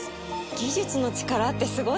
技術の力ってスゴイですね！